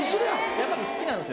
やっぱり好きなんですよ。